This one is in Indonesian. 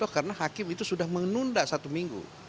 karena hakim itu sudah menunda satu minggu